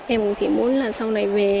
em cũng chỉ muốn là sau này về